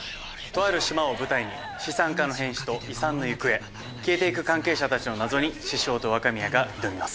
とある島を舞台に資産家の変死と遺産の行方消えていく関係者たちの謎に獅子雄と若宮が挑みます。